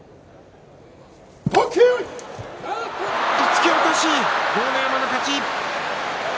突き落とし、豪ノ山の勝ち。